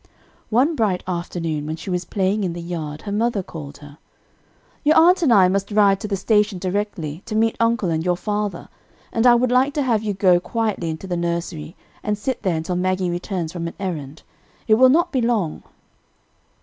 One bright afternoon, when she was playing in the yard, her mother called her: "Your aunt and I must ride to the station directly, to meet uncle and your father, and I would like to have you go quietly into the nursery and sit there until Maggie returns from an errand; it will not be long."